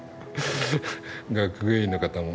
学芸員の方も。